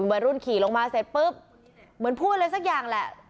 วัยรุ่นขี่ลงมาเสร็จปุ๊บเหมือนพูดอะไรสักอย่างแหละ